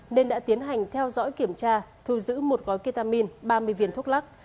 nên đã tiến hành theo dõi kiểm tra thu giữ một gói ketamin ba mươi viên thuốc lắc